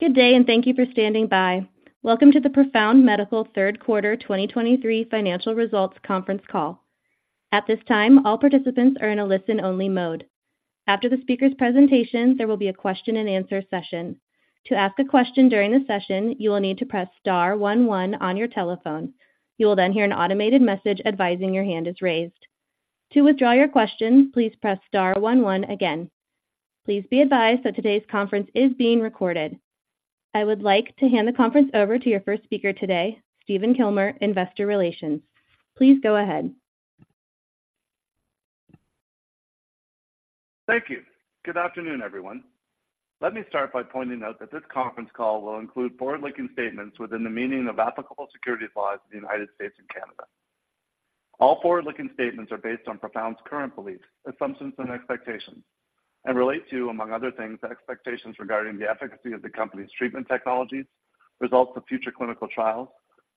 Good day, and thank you for standing by. Welcome to the Profound Medical Third Quarter 2023 financial results conference call. At this time, all participants are in a listen-only mode. After the speaker's presentations, there will be a question-and-answer session. To ask a question during the session, you will need to press star one one on your telephone. You will then hear an automated message advising your hand is raised. To withdraw your question, please press star one one again. Please be advised that today's conference is being recorded. I would like to hand the conference over to your first speaker today, Stephen Kilmer, Investor Relations. Please go ahead. Thank you. Good afternoon, everyone. Let me start by pointing out that this conference call will include forward-looking statements within the meaning of applicable securities laws in the United States and Canada. All forward-looking statements are based on Profound's current beliefs, assumptions, and expectations, and relate to, among other things, the expectations regarding the efficacy of the company's treatment technologies, results of future clinical trials,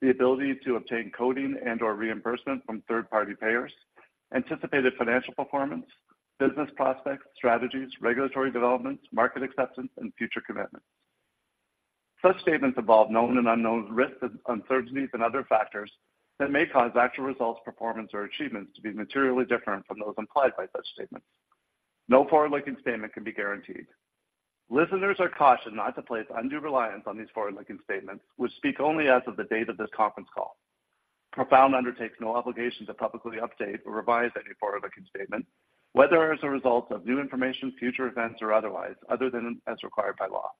the ability to obtain coding and/or reimbursement from third-party payers, anticipated financial performance, business prospects, strategies, regulatory developments, market acceptance, and future commitments. Such statements involve known and unknown risks, uncertainties, and other factors that may cause actual results, performance, or achievements to be materially different from those implied by such statements. No forward-looking statement can be guaranteed. Listeners are cautioned not to place undue reliance on these forward-looking statements, which speak only as of the date of this conference call. Profound undertakes no obligation to publicly update or revise any forward-looking statement, whether as a result of new information, future events, or otherwise, other than as required by law.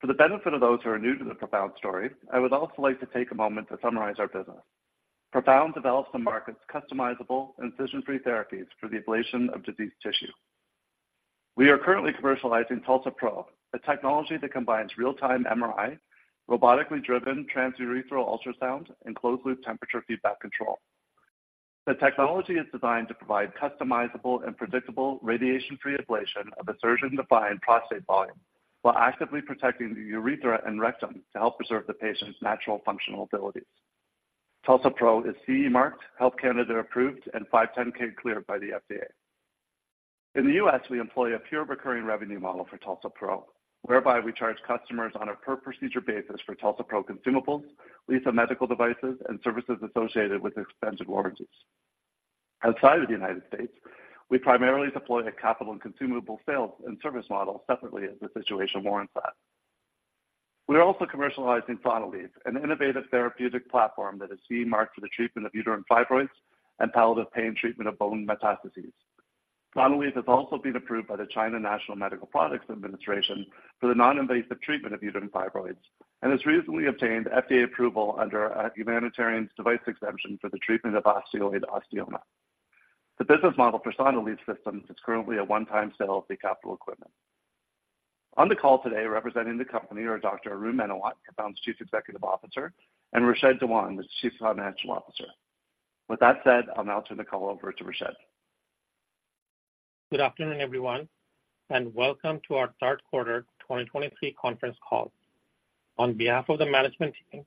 For the benefit of those who are new to the Profound story, I would also like to take a moment to summarize our business. Profound develops and markets customizable incision-free therapies for the ablation of diseased tissue. We are currently commercializing TULSA-PRO, a technology that combines real-time MRI, robotically driven transurethral ultrasound, and closed-loop temperature feedback control. The technology is designed to provide customizable and predictable radiation-free ablation of a surgeon-defined prostate volume, while actively protecting the urethra and rectum to help preserve the patient's natural functional abilities. TULSA-PRO is CE marked, Health Canada approved, and 510(k) cleared by the FDA. In the U.S., we employ a pure recurring revenue model for TULSA-PRO, whereby we charge customers on a per-procedure basis for TULSA-PRO consumables, lease of medical devices, and services associated with extended warranties. Outside of the United States, we primarily deploy a capital and consumable sales and service model separately as the situation warrants that. We are also commercializing Sonalleve, an innovative therapeutic platform that is CE marked for the treatment of uterine fibroids and palliative pain treatment of bone metastases. Sonalleve has also been approved by the China National Medical Products Administration for the non-invasive treatment of uterine fibroids and has recently obtained FDA approval under a Humanitarian Device Exemption for the treatment of osteoid osteoma. The business model for Sonalleve systems is currently a one-time sale of the capital equipment. On the call today, representing the company are Dr. Arun Menawat, Profound's Chief Executive Officer, and Rashed Dewan, the Chief Financial Officer. With that said, I'll now turn the call over to Rashed. Good afternoon, everyone, and welcome to our third quarter 2023 conference call. On behalf of the management team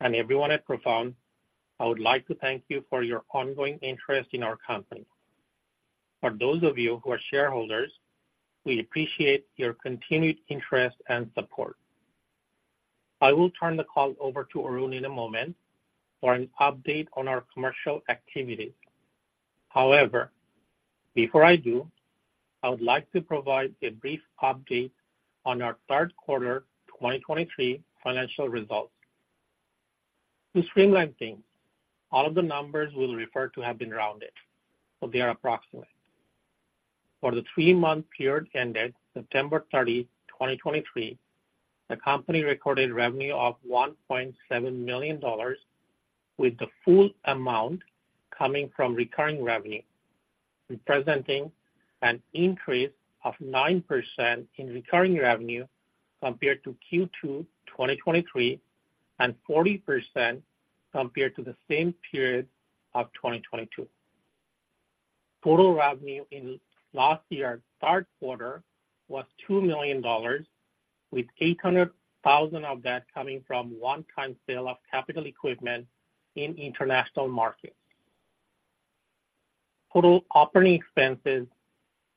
and everyone at Profound, I would like to thank you for your ongoing interest in our company. For those of you who are shareholders, we appreciate your continued interest and support. I will turn the call over to Arun in a moment for an update on our commercial activities. However, before I do, I would like to provide a brief update on our third quarter 2023 financial results. To streamline things, all of the numbers we'll refer to have been rounded, so they are approximate. For the three-month period ended September 30, 2023, the company recorded revenue of $1.7 million, with the full amount coming from recurring revenue, representing an increase of 9% in recurring revenue compared to Q2 2023 and 40% compared to the same period of 2022. Total revenue in last year's third quarter was $2 million, with $800,000 of that coming from one-time sale of capital equipment in international markets. Total operating expenses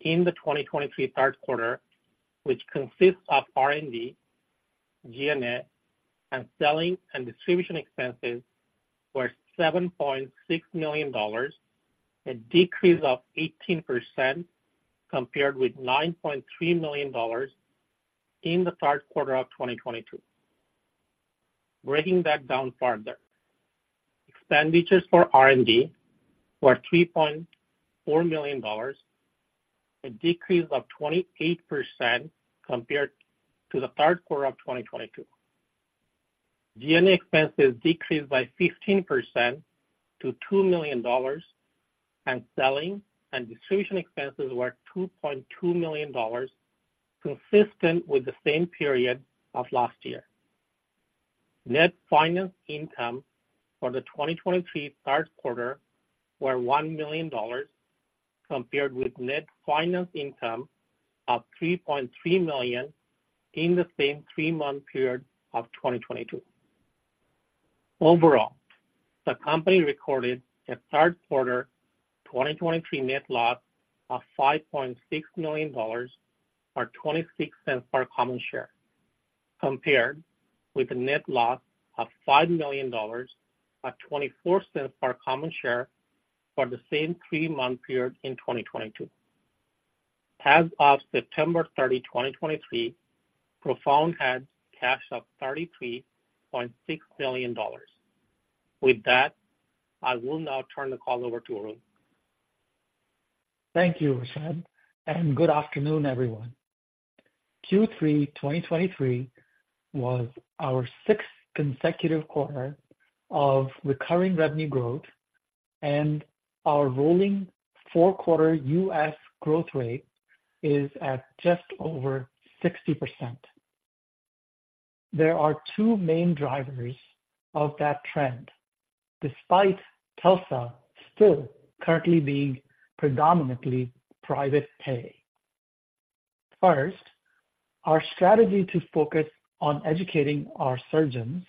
in the 2023 third quarter, which consists of R&D, G&A, and selling and distribution expenses, were $7.6 million, a decrease of 18% compared with $9.3 million in the third quarter of 2022. Breaking that down further. Expenditures for R&D were $3.4 million, a decrease of 28% compared to the third quarter of 2022. G&A expenses decreased by 15% to $2 million, and selling and distribution expenses were $2.2 million, consistent with the same period of last year. Net finance income for the 2023 third quarter were $1 million, compared with net finance income of $3.3 million in the same three-month period of 2022. Overall, the company recorded a third quarter 2023 net loss of $5.6 million, or $0.26 per common share, compared with a net loss of $5 million at $0.24 per common share for the same three-month period in 2022. As of September 30, 2023, Profound had cash of $33.6 million. With that, I will now turn the call over to Arun. Thank you, Rashed, and good afternoon, everyone. Q3 2023 was our sixth consecutive quarter of recurring revenue growth, and our rolling four-quarter U.S. growth rate is at just over 60%. There are two main drivers of that trend, despite TULSA still currently being predominantly private pay. First, our strategy to focus on educating our surgeons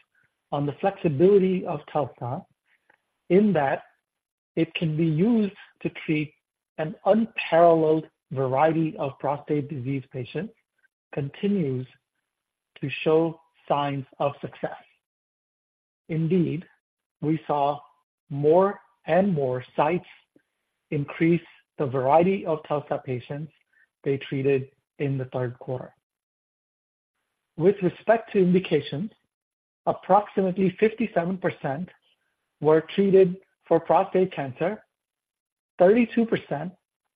on the flexibility of TULSA, in that it can be used to treat an unparalleled variety of prostate disease patients, continues to show signs of success. Indeed, we saw more and more sites increase the variety of TULSA patients they treated in the third quarter. With respect to indications, approximately 57% were treated for prostate cancer, 32%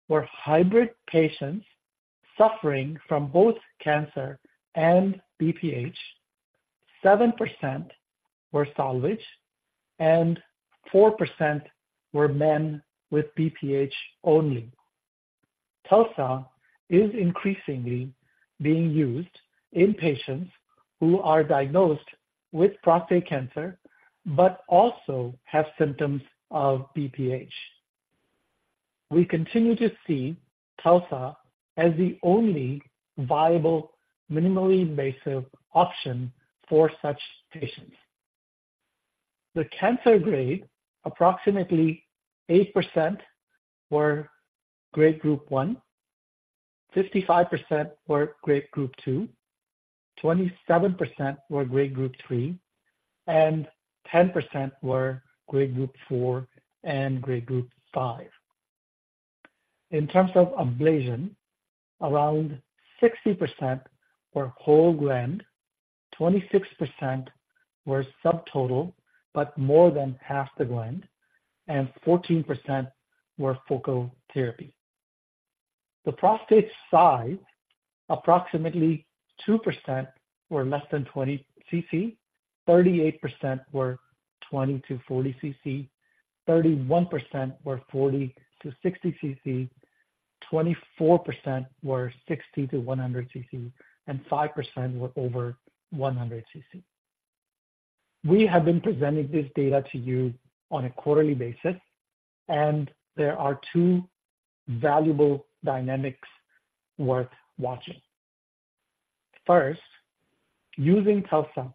were hybrid patients suffering from both cancer and BPH, 7% were salvage, and 4% were men with BPH only. TULSA is increasingly being used in patients who are diagnosed with prostate cancer, but also have symptoms of BPH. We continue to see TULSA as the only viable, minimally invasive option for such patients. The cancer grade, approximately 8% were Grade Group 1, 55% were Grade Group 2, 27% were Grade Group 3, and 10% were Grade Group 4 and Grade Group 5. In terms of ablation, around 60% were whole gland, 26% were subtotal, but more than half the gland, and 14% were focal therapy. The prostate size, approximately 2% were less than 20 cc, 38% were 20 cc-40 cc, 31% were 40 cc-60 cc, 24% were 60 cc-100 cc, and 5% were over 100 cc. We have been presenting this data to you on a quarterly basis, and there are two valuable dynamics worth watching. First, using TULSA,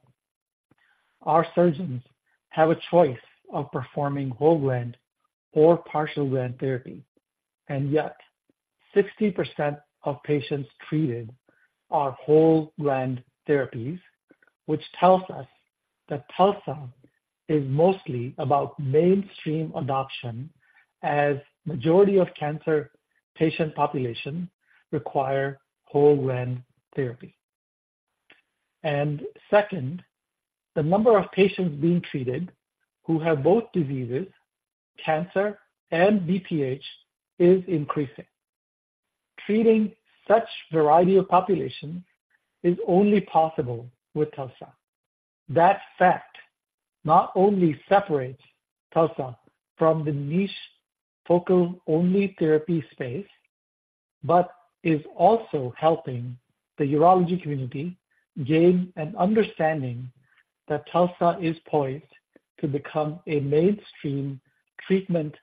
our surgeons have a choice of performing whole gland or partial gland therapy, and yet 60% of patients treated are whole gland therapies, which tells us that TULSA is mostly about mainstream adoption, as majority of cancer patient population require whole gland therapy. Second, the number of patients being treated who have both diseases, cancer and BPH, is increasing. Treating such variety of population is only possible with TULSA. That fact not only separates TULSA from the niche focal-only therapy space, but is also helping the urology community gain an understanding that TULSA is poised to become a mainstream treatment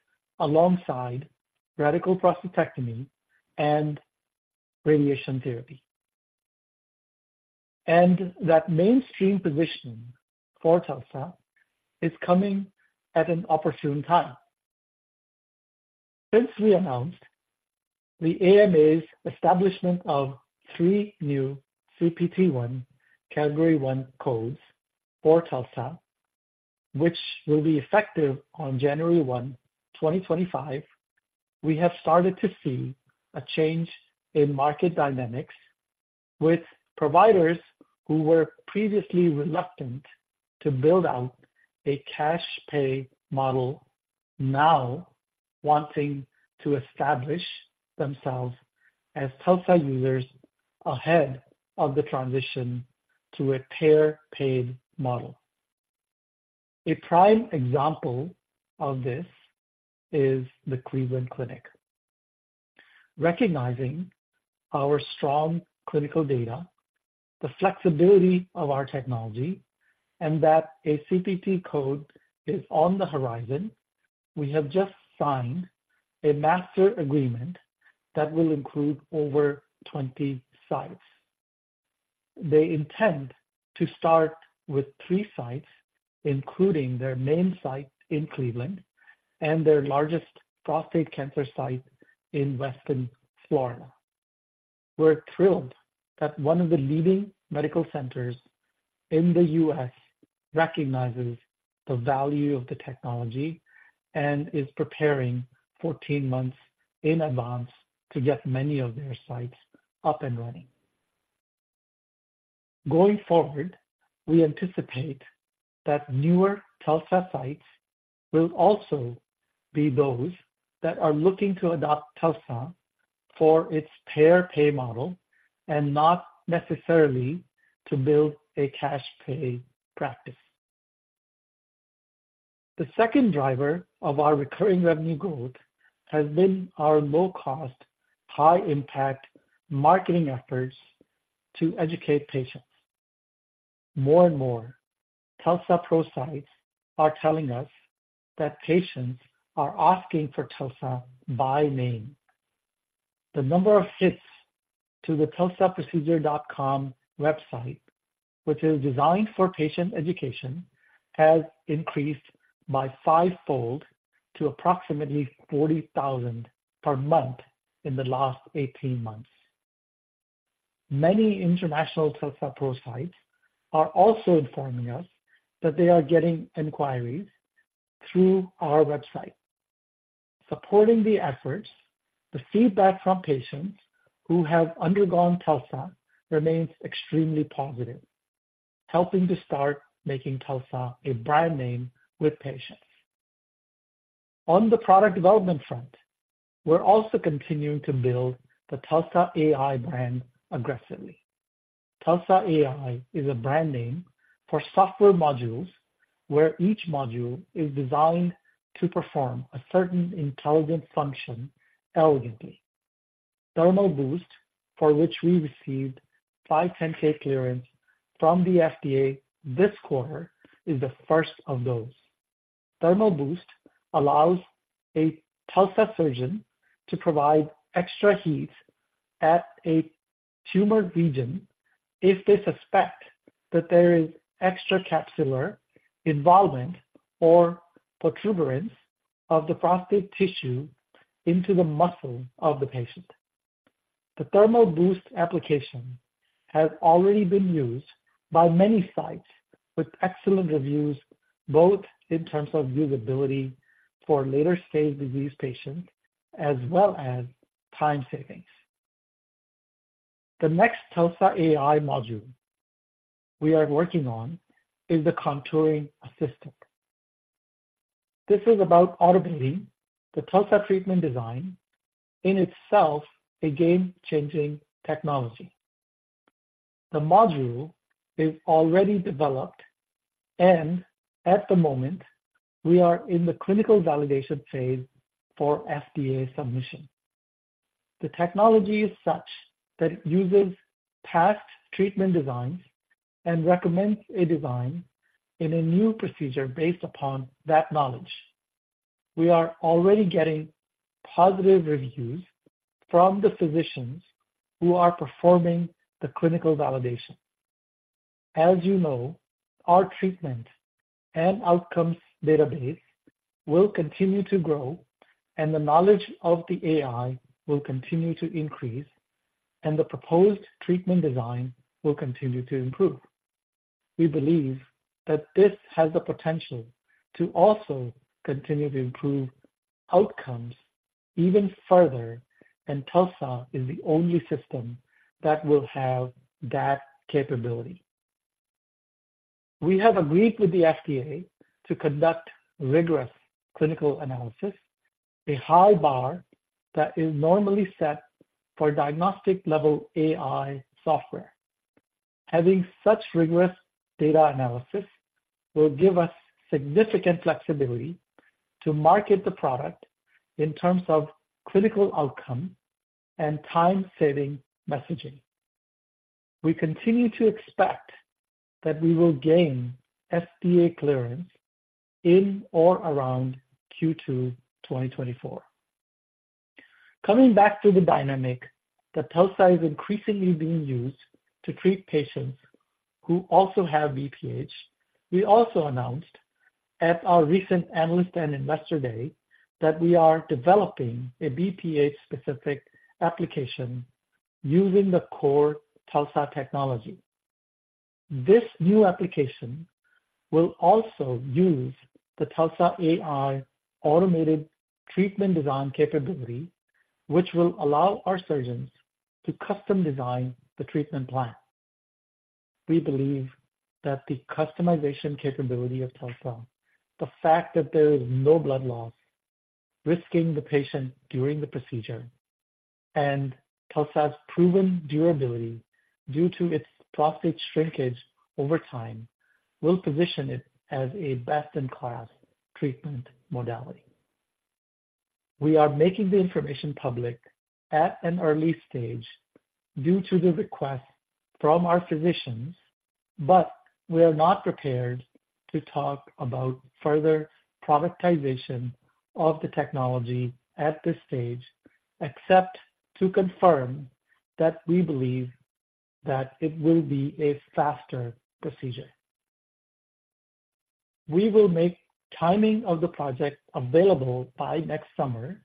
alongside radical prostatectomy and radiation therapy. That mainstream position for TULSA is coming at an opportune time. Since we announced the AMA's establishment of three new CPT Category I codes for TULSA, which will be effective on January 1, 2025, we have started to see a change in market dynamics with providers who were previously reluctant to build out a cash pay model, now wanting to establish themselves as TULSA users ahead of the transition to a payer paid model. A prime example of this is the Cleveland Clinic. Recognizing our strong clinical data, the flexibility of our technology, and that a CPT code is on the horizon, we have just signed a master agreement that will include over 20 sites. They intend to start with three sites, including their main site in Cleveland and their largest prostate cancer site in Weston, Florida. We're thrilled that one of the leading medical centers in the U.S. recognizes the value of the technology and is preparing 14 months in advance to get many of their sites up and running. Going forward, we anticipate that newer TULSA sites will also be those that are looking to adopt TULSA for its payer pay model and not necessarily to build a cash pay practice. The second driver of our recurring revenue growth has been our low cost, high impact marketing efforts to educate patients. More and more, TULSA-PRO sites are telling us that patients are asking for TULSA by name. The number of hits to the tulsaprocedure.com website, which is designed for patient education, has increased by fivefold to approximately 40,000 per month in the last 18 months. Many international TULSA-PRO sites are also informing us that they are getting inquiries through our website. Supporting the efforts, the feedback from patients who have undergone TULSA remains extremely positive, helping to start making TULSA a brand name with patients. On the product development front, we're also continuing to build the TULSA AI brand aggressively. TULSA AI is a brand name for software modules, where each module is designed to perform a certain intelligent function elegantly. Thermal Boost, for which we received 510(k) clearance from the FDA this quarter, is the first of those. Thermal Boost allows a TULSA surgeon to provide extra heat at a tumor region if they suspect that there is extracapsular involvement or protuberance of the prostate tissue into the muscle of the patient. The Thermal Boost application has already been used by many sites, with excellent reviews, both in terms of usability for later-stage disease patients as well as time savings. The next TULSA AI module we are working on is the Contouring Assistant. This is about automating the TULSA treatment design, in itself, a game-changing technology. The module is already developed, and at the moment we are in the clinical validation phase for FDA submission. The technology is such that it uses past treatment designs and recommends a design in a new procedure based upon that knowledge. We are already getting positive reviews from the physicians who are performing the clinical validation. As you know, our treatment and outcomes database will continue to grow, and the knowledge of the AI will continue to increase, and the proposed treatment design will continue to improve. We believe that this has the potential to also continue to improve outcomes even further, and TULSA is the only system that will have that capability. We have agreed with the FDA to conduct rigorous clinical analysis, a high bar that is normally set for diagnostic-level AI software. Having such rigorous data analysis will give us significant flexibility to market the product in terms of clinical outcome and time-saving messaging. We continue to expect that we will gain FDA clearance in or around Q2 2024. Coming back to the dynamic, that TULSA is increasingly being used to treat patients who also have BPH. We also announced at our recent Analyst and Investor Day that we are developing a BPH-specific application using the core TULSA technology. This new application will also use the TULSA AI automated treatment design capability, which will allow our surgeons to custom design the treatment plan. We believe that the customization capability of TULSA, the fact that there is no blood loss risking the patient during the procedure, and TULSA's proven durability due to its prostate shrinkage over time, will position it as a best-in-class treatment modality. We are making the information public at an early stage due to the request from our physicians. But we are not prepared to talk about further productization of the technology at this stage, except to confirm that we believe that it will be a faster procedure. We will make timing of the project available by next summer,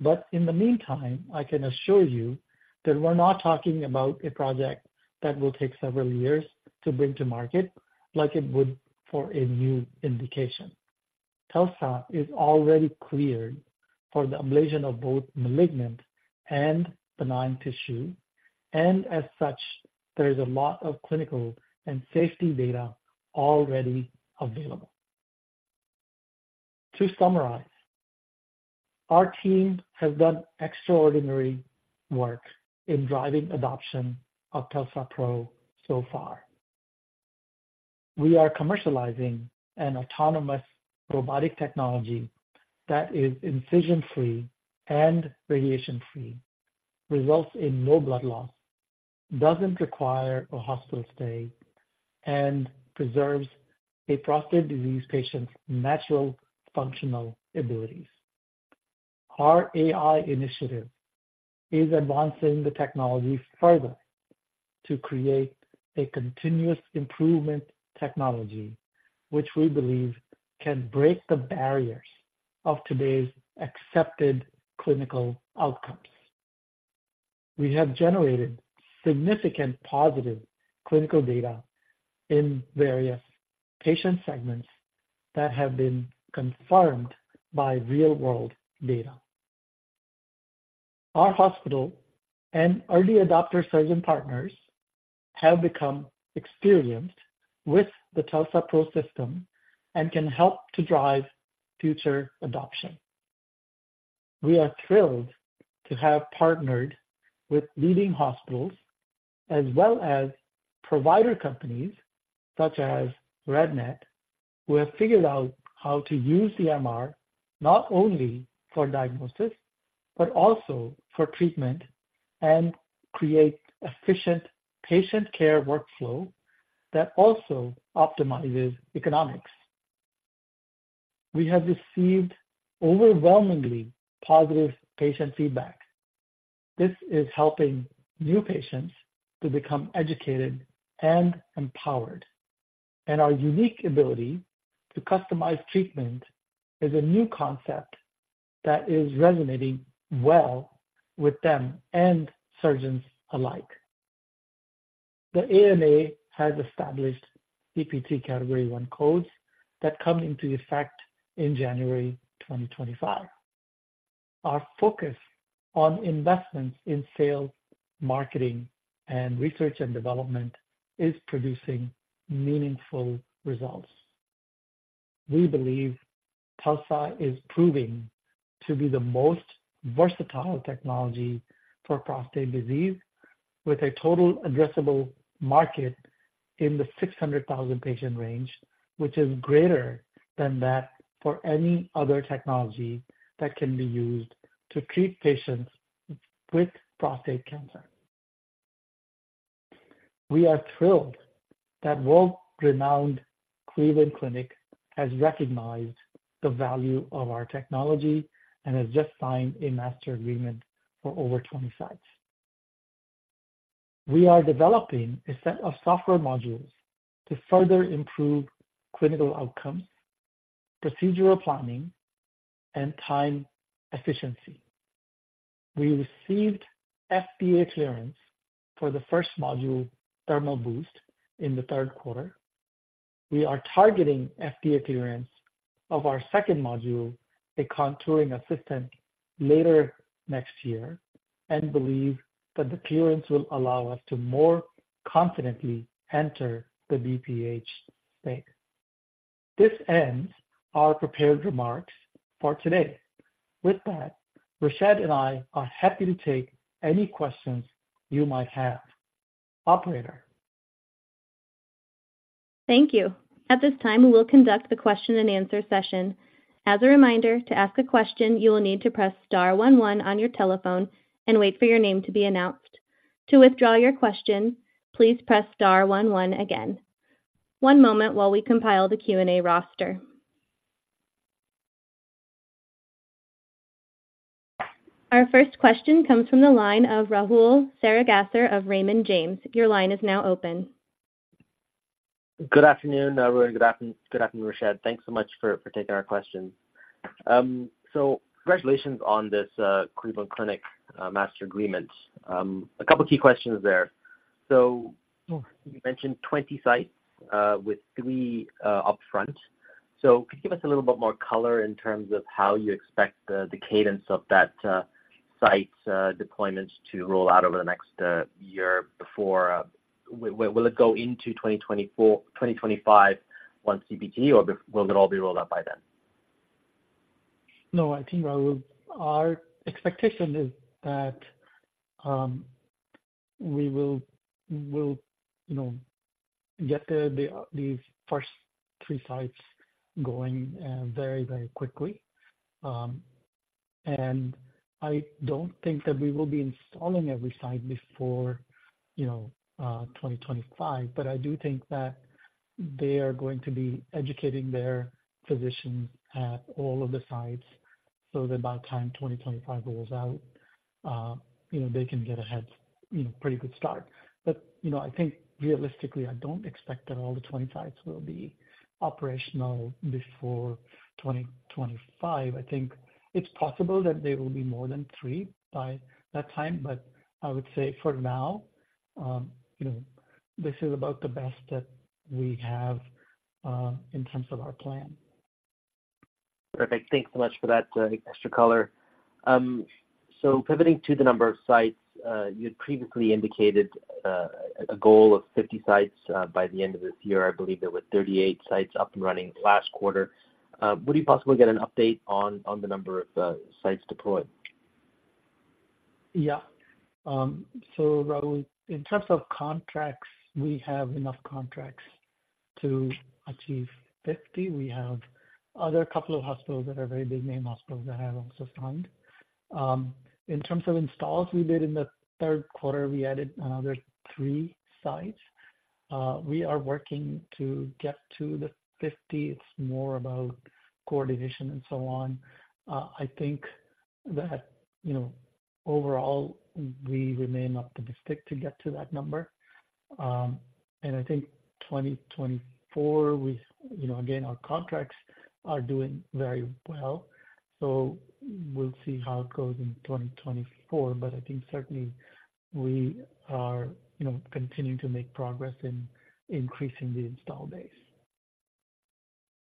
but in the meantime, I can assure you that we're not talking about a project that will take several years to bring to market, like it would for a new indication. TULSA is already cleared for the ablation of both malignant and benign tissue, and as such, there is a lot of clinical and safety data already available. To summarize, our team has done extraordinary work in driving adoption of TULSA-PRO so far. We are commercializing an autonomous robotic technology that is incision-free and radiation-free, results in no blood loss, doesn't require a hospital stay, and preserves a prostate disease patient's natural functional abilities. Our AI initiative is advancing the technology further to create a continuous improvement technology, which we believe can break the barriers of today's accepted clinical outcomes. We have generated significant positive clinical data in various patient segments that have been confirmed by real-world data. Our hospital and early adopter surgeon partners have become experienced with the TULSA-PRO system and can help to drive future adoption. We are thrilled to have partnered with leading hospitals as well as provider companies such as RadNet, who have figured out how to use the MR, not only for diagnosis, but also for treatment and create efficient patient care workflow that also optimizes economics. We have received overwhelmingly positive patient feedback. This is helping new patients to become educated and empowered, and our unique ability to customize treatment is a new concept that is resonating well with them and surgeons alike. The AMA has established CPT Category I codes that come into effect in January 2025. Our focus on investments in sales, marketing, and research and development is producing meaningful results. We believe TULSA is proving to be the most versatile technology for prostate disease, with a total addressable market in the 600,000 patient range, which is greater than that for any other technology that can be used to treat patients with prostate cancer. We are thrilled that world-renowned Cleveland Clinic has recognized the value of our technology and has just signed a master agreement for over 20 sites. We are developing a set of software modules to further improve clinical outcomes, procedural planning, and time efficiency. We received FDA clearance for the first module, Thermal Boost, in the third quarter. We are targeting FDA clearance of our second module, a Contouring Assistant, later next year, and believe that the clearance will allow us to more confidently enter the BPH space. This ends our prepared remarks for today. With that, Rashed and I are happy to take any questions you might have. Operator? Thank you. At this time, we will conduct the question and answer session. As a reminder, to ask a question, you will need to press star one one on your telephone and wait for your name to be announced. To withdraw your question, please press star one one again. One moment while we compile the Q&A roster. Our first question comes from the line of Rahul Sarugaser of Raymond James. Your line is now open. Good afternoon, everyone. Good afternoon. Good afternoon, Rashed. Thanks so much for taking our questions. So congratulations on this Cleveland Clinic master agreement. A couple key questions there. So you mentioned 20 sites with three upfront. So could you give us a little bit more color in terms of how you expect the cadence of that site's deployments to roll out over the next year before. Will it go into 2024, 2025, once CPT, or will it all be rolled out by then? No, I think, Rahul, our expectation is that we will, we'll, you know, get these first three sites going very, very quickly. And I don't think that we will be installing every site before, you know, 2025. But I do think that they are going to be educating their physicians at all of the sites, so that by the time 2025 rolls out, you know, they can get ahead, you know, pretty good start. But, you know, I think realistically, I don't expect that all the 20 sites will be operational before 2025. I think it's possible that there will be more than three by that time, but I would say for now, you know, this is about the best that we have in terms of our plan. Perfect. Thanks so much for that, extra color. So pivoting to the number of sites, you'd previously indicated, a goal of 50 sites, by the end of this year. I believe there were 38 sites up and running last quarter. Would you possibly get an update on, on the number of, sites deployed? Yeah. So Rahul, in terms of contracts, we have enough contracts to achieve 50. We have other couple of hospitals that are very big name hospitals that have also signed. In terms of installs, we did in the third quarter, we added another three sites. We are working to get to the 50. It's more about coordination and so on. I think that, you know, overall, we remain optimistic to get to that number. And I think 2024, you know, again, our contracts are doing very well, so we'll see how it goes in 2024. But I think certainly we are, you know, continuing to make progress in increasing the install base.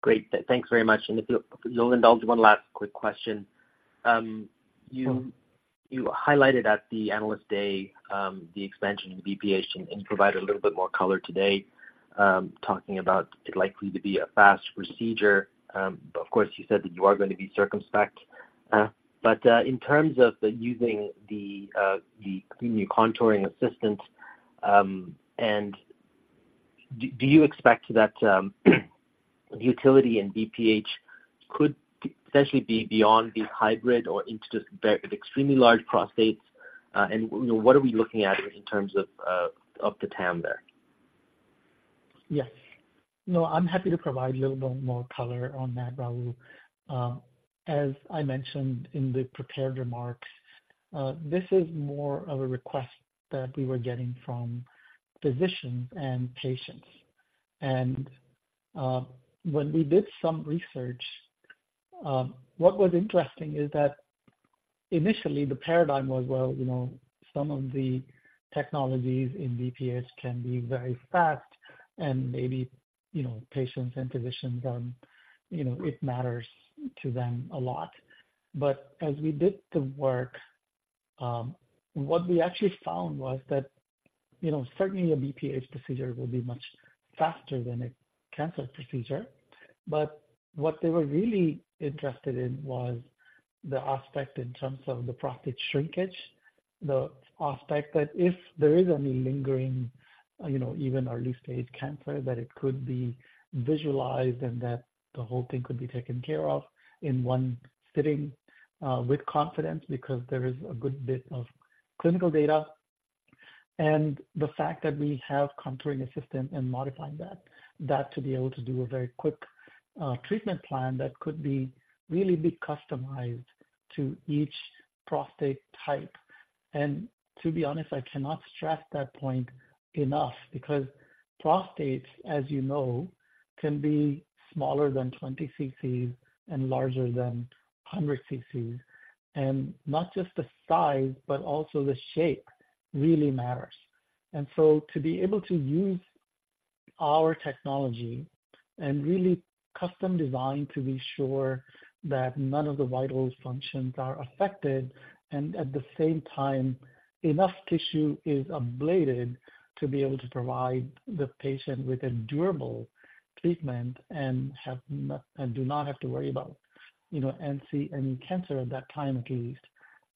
Great. Thanks very much. And if you'll, you'll indulge one last quick question. Sure. You highlighted at the Analyst Day, the expansion in BPH, and you provided a little bit more color today, talking about it likely to be a fast procedure. But of course, you said that you are going to be circumspect. But, in terms of using the new Contouring Assistant, and do you expect that the utility in BPH could essentially be beyond the hybrid or into the very extremely large prostates? And, you know, what are we looking at in terms of the TAM there? Yes. No, I'm happy to provide a little bit more color on that, Rahul. As I mentioned in the prepared remarks, this is more of a request that we were getting from physicians and patients. And, when we did some research, what was interesting is that initially the paradigm was, well, you know, some of the technologies in BPH can be very fast, and maybe, you know, patients and physicians, you know, it matters to them a lot. But as we did the work, what we actually found was that, you know, certainly a BPH procedure will be much faster than a cancer procedure. But what they were really interested in was the aspect in terms of the prostate shrinkage, the aspect that if there is any lingering, you know, even early stage cancer, that it could be visualized and that the whole thing could be taken care of in one sitting, with confidence, because there is a good bit of clinical data. And the fact that we have Contouring Assistant and modifying that, that to be able to do a very quick, treatment plan that could be really be customized to each prostate type. And to be honest, I cannot stress that point enough, because prostates, as you know, can be smaller than 20 cc and larger than 100 cc, and not just the size, but also the shape really matters. And so to be able to use our technology and really custom design to be sure that none of the vital functions are affected, and at the same time, enough tissue is ablated to be able to provide the patient with a durable treatment and do not have to worry about, you know, and see any cancer at that time at least,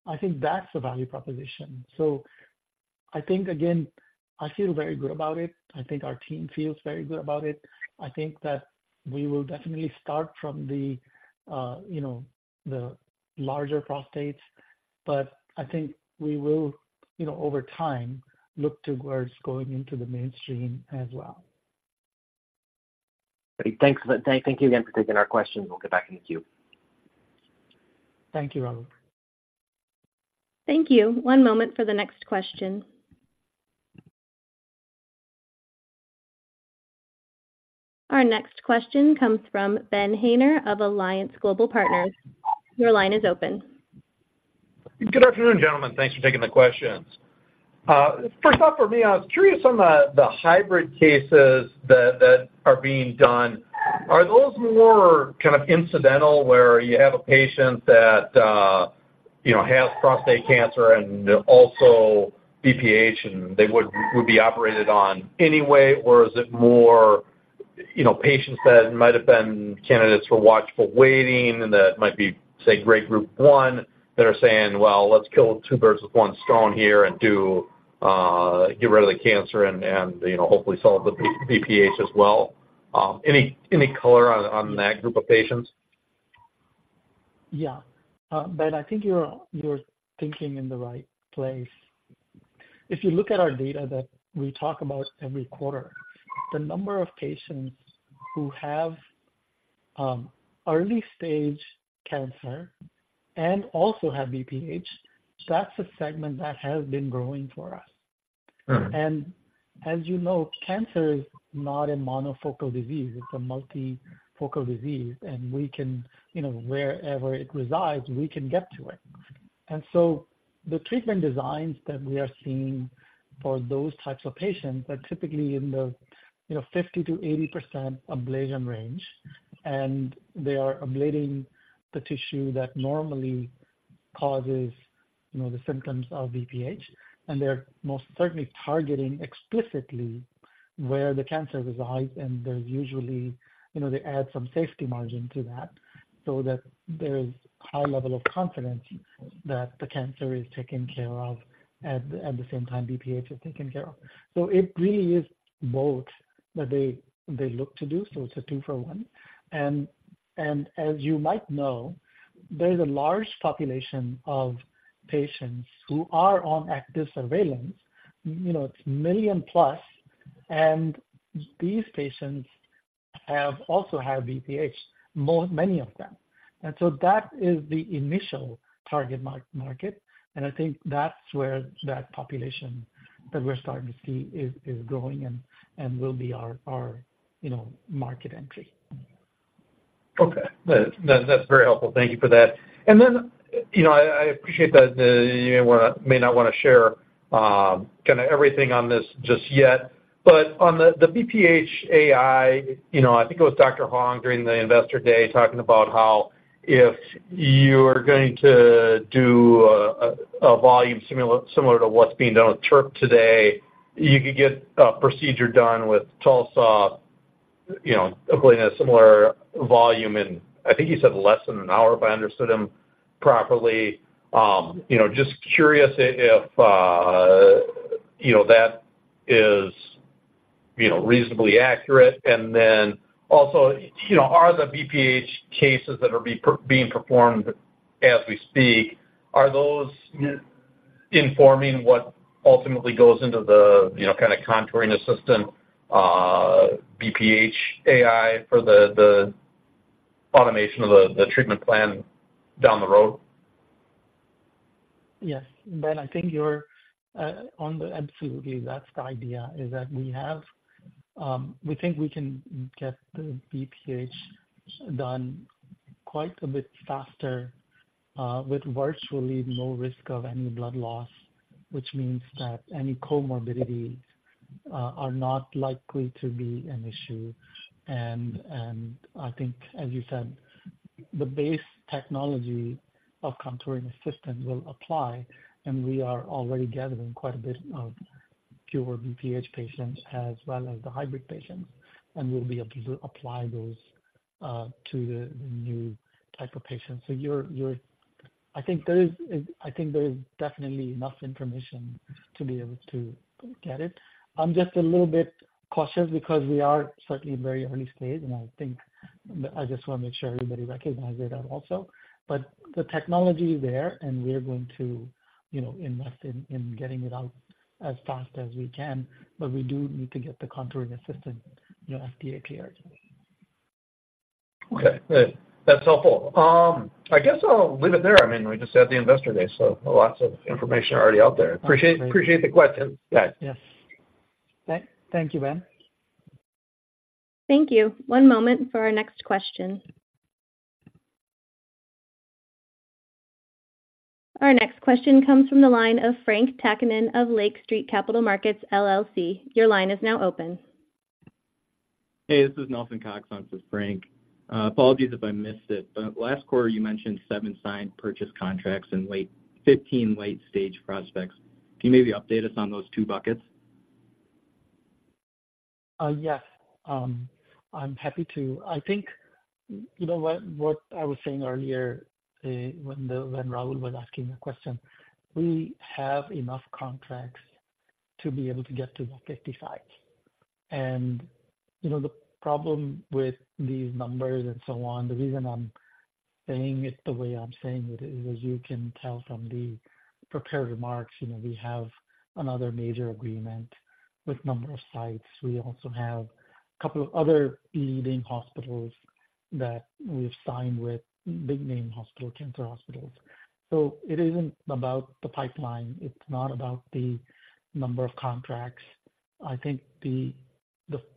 I think that's the value proposition. So I think, again, I feel very good about it. I think our team feels very good about it. I think that we will definitely start from the, you know, the larger prostates, but I think we will, you know, over time, look towards going into the mainstream as well. Great. Thanks. Thank you again for taking our questions. We'll get back in the queue. Thank you, Rahul. Thank you. One moment for the next question. Our next question comes from Ben Haynor of Alliance Global Partners. Your line is open. Good afternoon, gentlemen. Thanks for taking the questions. First up for me, I was curious on the hybrid cases that are being done. Are those more kind of incidental, where you have a patient that, you know, has prostate cancer and also BPH, and they would be operated on anyway? Or is it more, you know, patients that might have been candidates for watchful waiting and that might be, say, Grade Group 1, that are saying, Well, let's kill two birds with one stone here and do get rid of the cancer and, you know, hopefully solve the BPH as well? Any color on that group of patients? Yeah. Ben, I think you're thinking in the right place. If you look at our data that we talk about every quarter, the number of patients who have early-stage cancer and also have BPH, that's a segment that has been growing for us. As you know, cancer is not a monofocal disease, it's a multifocal disease, and we can, you know, wherever it resides, we can get to it. So the treatment designs that we are seeing for those types of patients are typically in the, you know, 50%-80% ablation range, and they are ablating the tissue that normally causes, you know, the symptoms of BPH. And they're most certainly targeting explicitly where the cancer resides, and there's usually, you know, they add some safety margin to that, so that there's high level of confidence that the cancer is taken care of, at the same time BPH is taken care of. So it really is both that they look to do, so it's a two for one. And as you might know, there's a large population of patients who are on active surveillance. You know, it's million plus, and these patients have also had BPH, many of them. And so that is the initial target market, and I think that's where that population that we're starting to see is growing and will be our, you know, market entry. Okay. That, that's very helpful. Thank you for that. And then, you know, I appreciate that you may not wanna share kinda everything on this just yet. But on the BPH AI, you know, I think it was Dr. Hong during the Investor Day, talking about how if you're going to do a volume similar to what's being done with TURP today, you could get a procedure done with TULSA, you know, ablating a similar volume in, I think, he said less than an hour, if I understood him properly. You know, just curious if you know that is reasonably accurate. Then also, you know, are the BPH cases that are being performed as we speak, are those informing what ultimately goes into the, you know, kind of Contouring Assistant, BPH AI for the automation of the treatment plan down the road? Yes. Ben, I think you're on the. Absolutely, that's the idea, is that we have, we think we can get the BPH done quite a bit faster, with virtually no risk of any blood loss, which means that any comorbidities are not likely to be an issue. And, and I think, as you said, the base technology of contouring the system will apply, and we are already gathering quite a bit of pure BPH patients as well as the hybrid patients, and we'll be able to apply those to the new type of patients. So you're, you're - I think there is, I think there is definitely enough information to be able to get it. I'm just a little bit cautious because we are certainly very early stage, and I think I just wanna make sure everybody recognizes that also. But the technology is there, and we are going to, you know, invest in getting it out as fast as we can, but we do need to get the Contouring Assistant, you know, FDA cleared. Okay, good. That's helpful. I guess I'll leave it there. I mean, we just had the Investor Day, so lots of information already out there. Appreciate, appreciate the question. Yeah. Yes. Thank you, Ben. Thank you. One moment for our next question. Our next question comes from the line of Frank Takkinen of Lake Street Capital Markets, LLC. Your line is now open. Hey, this is Nelson Cox, onto Frank. Apologies if I missed it, but last quarter you mentioned seven signed purchase contracts and 15 late-stage prospects. Can you maybe update us on those two buckets? Yes, I'm happy to. I think, you know what, what I was saying earlier, when Rahul was asking the question, we have enough contracts to be able to get to the 50 sites. And, you know, the problem with these numbers and so on, the reason I'm saying it the way I'm saying it, is as you can tell from the prepared remarks, you know, we have another major agreement with number of sites. We also have a couple of other leading hospitals that we've signed with, big-name hospital, cancer hospitals. So it isn't about the pipeline, it's not about the number of contracts. I think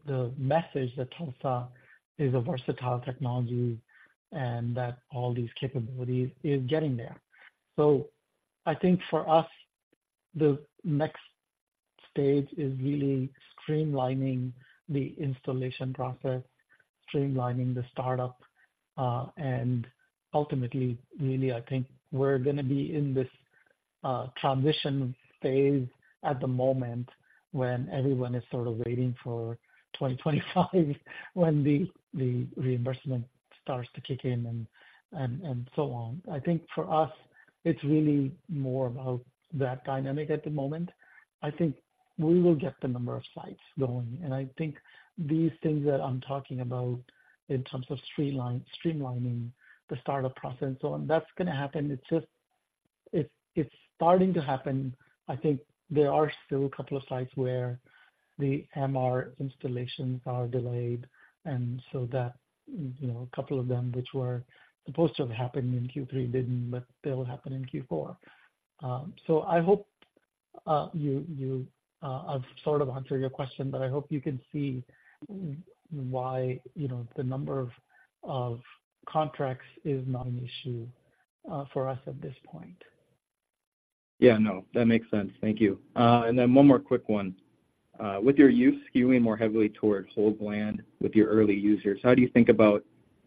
the message that TULSA is a versatile technology and that all these capabilities is getting there. So I think for us, the next stage is really streamlining the installation process, streamlining the startup, and ultimately, really, I think we're gonna be in this transition phase at the moment when everyone is sort of waiting for 2025, when the reimbursement starts to kick in and so on. I think for us. It's really more about that dynamic at the moment. I think we will get the number of sites going, and I think these things that I'm talking about in terms of streamlining the startup process and so on, that's gonna happen. It's just—it's starting to happen. I think there are still a couple of sites where the MR installations are delayed, and so that, you know, a couple of them which were supposed to have happened in Q3 didn't, but they'll happen in Q4. So, I hope you, I've sort of answered your question, but I hope you can see why, you know, the number of contracts is not an issue for us at this point. Yeah, no, that makes sense. Thank you. And then one more quick one. With your use skewing more heavily towards whole gland with your early users, how do you think about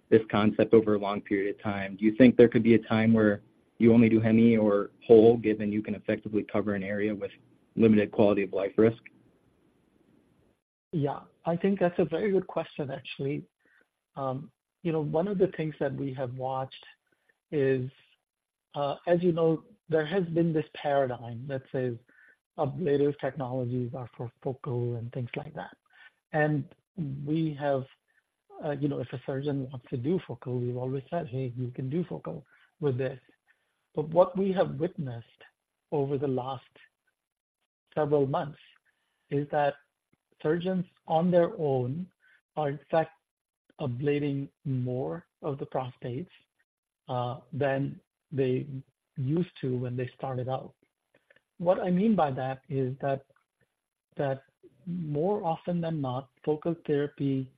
this concept over a long period of time? Do you think there could be a time where you only do hemi or whole, given you can effectively cover an area with limited quality of life risk? Yeah, I think that's a very good question, actually. You know, one of the things that we have watched is, as you know, there has been this paradigm that says, ablative technologies are for focal and things like that. And we have, you know, if a surgeon wants to do focal, we've always said, "Hey, you can do focal with this." But what we have witnessed over the last several months is that surgeons on their own are in fact ablating more of the prostates, than they used to when they started out. What I mean by that is that more often than not, focal therapy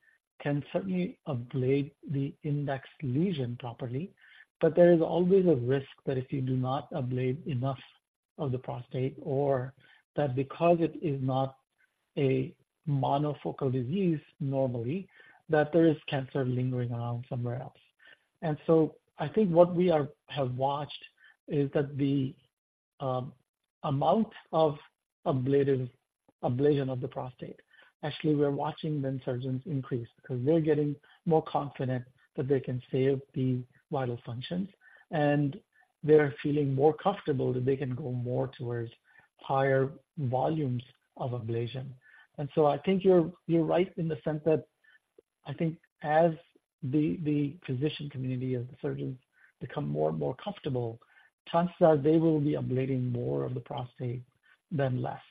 can certainly ablate the index lesion properly, but there is always a risk that if you do not ablate enough of the prostate, or that because it is not a monofocal disease normally, that there is cancer lingering around somewhere else. And so I think what we have watched is that the amount of ablation of the prostate, actually, we're watching them, surgeons, increase. Because they're getting more confident that they can save the vital functions, and they're feeling more comfortable that they can go more towards higher volumes of ablation. And so I think you're right in the sense that I think as the physician community, as the surgeons become more and more comfortable, chances are they will be ablating more of the prostate than less.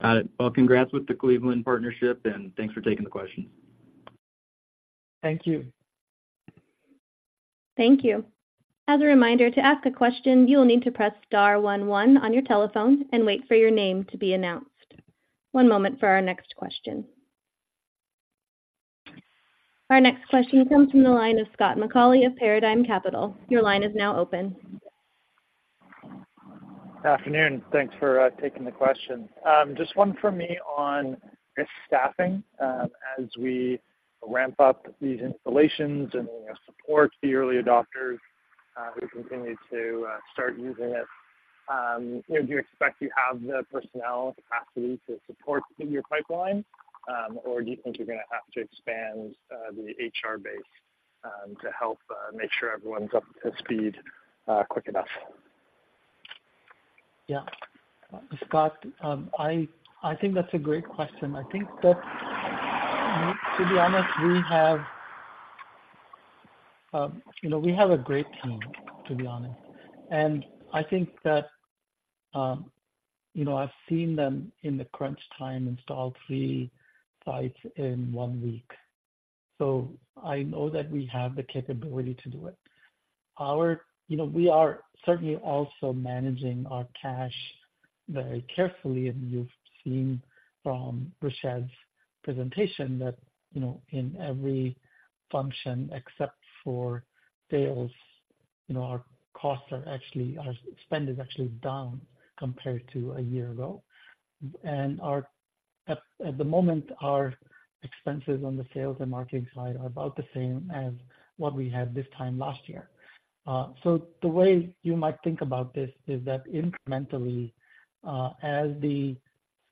Got it. Well, congrats with the Cleveland partnership, and thanks for taking the questions. Thank you. Thank you. As a reminder, to ask a question, you will need to press star one one on your telephone and wait for your name to be announced. One moment for our next question. Our next question comes from the line of Scott McAuley of Paradigm Capital. Your line is now open. Afternoon. Thanks for taking the question. Just one for me on risk staffing. As we ramp up these installations and, you know, support the early adopters, who continue to start using it, you know, do you expect to have the personnel capacity to support your pipeline? Or do you think you're gonna have to expand the HR base to help make sure everyone's up to speed quick enough? Yeah. Scott, I think that's a great question. I think that, to be honest, we have, you know, we have a great team, to be honest. And I think that, you know, I've seen them in the crunch time install three sites in one week. So I know that we have the capability to do it. Our. You know, we are certainly also managing our cash very carefully, and you've seen from Rashed's presentation that, you know, in every function except for sales, you know, our costs are actually, our spend is actually down compared to a year ago. And our-- at the moment, our expenses on the sales and marketing side are about the same as what we had this time last year. So the way you might think about this is that incrementally, as the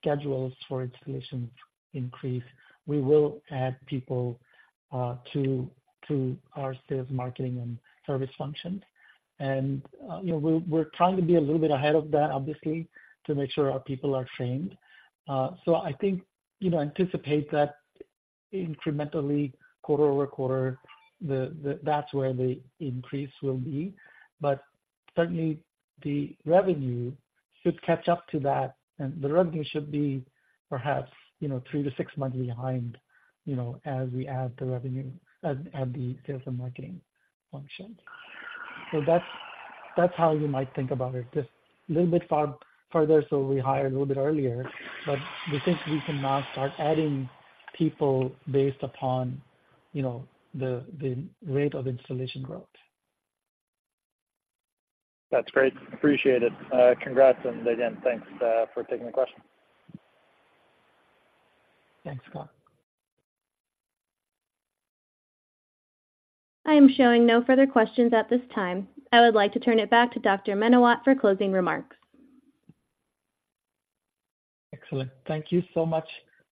schedules for installations increase, we will add people to our sales, marketing, and service functions. You know, we're trying to be a little bit ahead of that, obviously, to make sure our people are trained. So I think, you know, anticipate that incrementally, quarter over quarter, the that's where the increase will be. But certainly, the revenue should catch up to that, and the revenue should be perhaps, you know, three to six months behind, you know, as we add the revenue, add the sales and marketing functions. So that's how you might think about it. Just a little bit far, further, so we hire a little bit earlier, but we think we can now start adding people based upon, you know, the rate of installation growth. That's great. Appreciate it. Congrats, and again, thanks, for taking the question. Thanks, Scott. I am showing no further questions at this time. I would like to turn it back to Dr. Menawat for closing remarks. Excellent. Thank you so much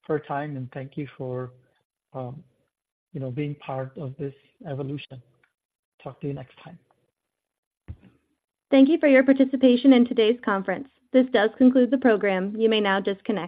for your time, and thank you for, you know, being part of this evolution. Talk to you next time. Thank you for your parti cipation in today's conference. This does conclude the program. You may now disconnect.